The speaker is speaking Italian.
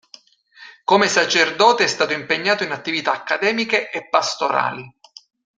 Come sacerdote è stato impegnato in attività accademiche e pastorali.